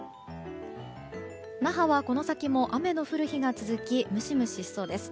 那覇はこの先も雨の降る日が続きムシムシしそうです。